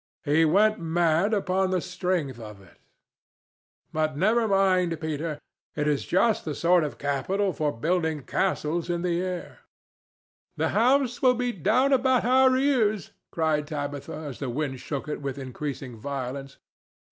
He went mad upon the strength of it. But never mind, Peter; it is just the sort of capital for building castles in the air." "The house will be down about our ears," cried Tabitha as the wind shook it with increasing violence.